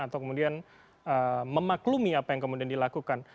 atau kemudian memaklumi apa yang kemudian dilakukan